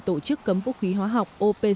tổ chức cấm vũ khí hóa học